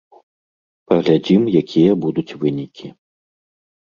Паглядзім, якія будуць вынікі.